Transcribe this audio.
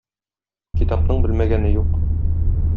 Китапның белмәгәне юк.